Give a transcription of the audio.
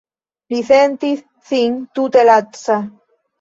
Li sentis sin tute laca.